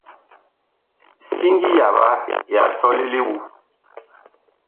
Siŋgi yaɓa ya sɔle li wu.